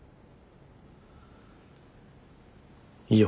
いいよ。